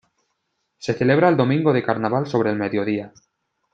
Se celebra el domingo de carnaval sobre el mediodía.